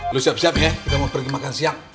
lu siap siap ya kita mau pergi makan siang